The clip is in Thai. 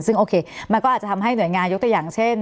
ซึ่งโอเคมันก็อาจจะทำให้หน่วยงานยกตัวอย่างเช่น